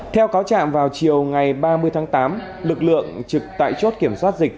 theo cáo trạng vào chiều ngày ba mươi tháng tám lực lượng trực tại chốt kiểm soát dịch